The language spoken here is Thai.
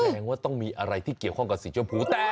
แสดงว่าต้องมีอะไรที่เกี่ยวข้องกับสีชมพูแต่